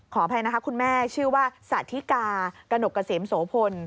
ขออภัยนะคะคุณแม่ชื่อว่าสาธิกากระหนกเกษมโสพล